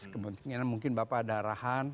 kepentingan mungkin bapak ada arahan